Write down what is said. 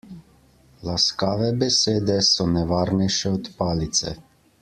Laskave besede so nevarnejše od palice.